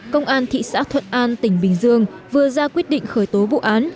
công an thị xã thuận an tỉnh bình dương vừa ra quyết định khởi tố vụ án